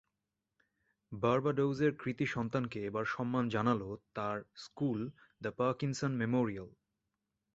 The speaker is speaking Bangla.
বারবাডোজের কৃতী সন্তানকে এবার সম্মান জানাল তাঁর স্কুল দ্য পার্কিনসন মেমোরিয়াল।